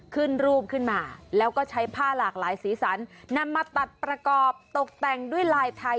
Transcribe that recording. ขึ้นรูปขึ้นมาแล้วก็ใช้ผ้าหลากหลายสีสันนำมาตัดประกอบตกแต่งด้วยลายไทย